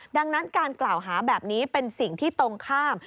ดังนั้นการกล่าวหาแบบนี้เป็นสิ่งที่ตรงข้าม